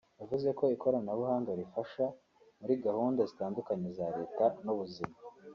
yavuze ko ikoranabuhanga rifasha muri gahunda zitandukanye za Leta n’ubuzima